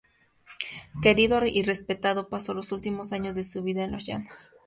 Querido y respetado, pasó los últimos años de su vida en Los Llanos.